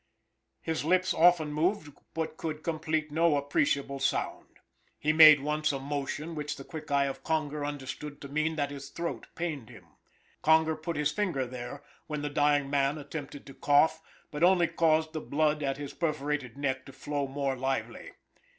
His lips often moved but could complete no appreciable sound. He made once a motion which the quick eye of Conger understood to mean that his throat pained him. Conger put his finger there, when the dying man attempted to cough, but only caused the blood at his perforated neck to flow more, lively.